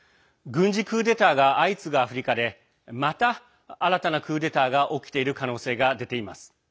軍事クーデターが相次ぐアフリカでまた新たなクーデターが起きている可能性が出ています。